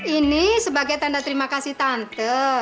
ini sebagai tanda terima kasih tante